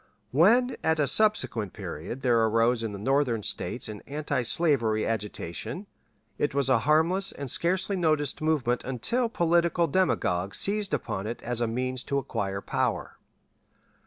When at a subsequent period there arose in the Northern States an antislavery agitation, it was a harmless and scarcely noticed movement until political demagogues seized upon it as a means to acquire power.